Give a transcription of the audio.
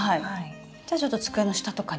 じゃあちょっと机の下とかに。